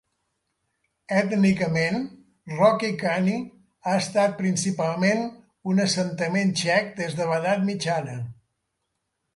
Ètnicament, Rokycany ha estat principalment un assentament txec des de l'Edat Mitjana.